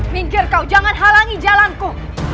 mingkir kau jangan halangi jalanku